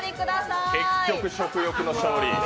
結局、食欲の勝利。